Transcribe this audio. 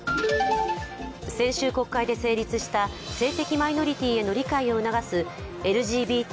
先週、国会で成立した性的マイノリティへの理解を促すＬＧＢＴ